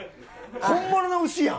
本物の牛やん！